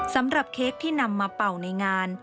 สำหรับเค้กที่นำมาเป่าในงาน